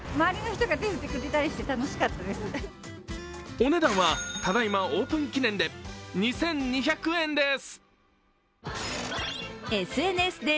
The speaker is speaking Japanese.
お値段はただいまオープン記念で２２００円です。